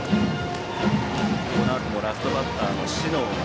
このあともラストバッター小竹が。